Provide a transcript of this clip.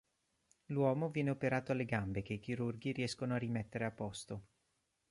L'uomo viene operato alle gambe che i chirurghi riescono a rimettere a posto.